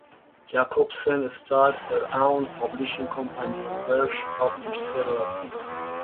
Jacobsen started her own publishing company where she published several texts.